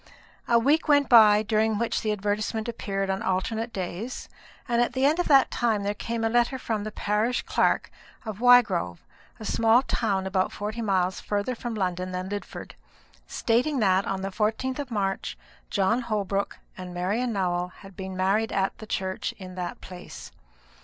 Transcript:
A week went by, during which the advertisement appeared on alternate days; and at the end of that time there came a letter from the parish clerk of Wygrove, a small town about forty miles farther from London than Lidford, stating that, on the 14th of March, John Holbrook and Marian Nowell had been married at the church in that place.